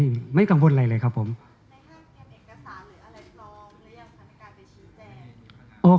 ในห้างแค่เอกสารหรืออะไรซ้อมหรือยังธรรมการไปชีวิตแทน